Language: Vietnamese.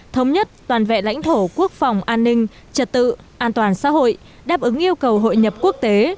thống nhất toàn vẹn lãnh thổ quốc phòng an ninh trật tự an toàn xã hội đáp ứng yêu cầu hội nhập quốc tế